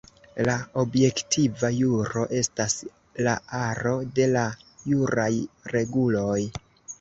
La objektiva juro estas la aro de la juraj reguloj.